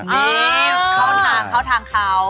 นี่เข้าทางเข้าทางเขา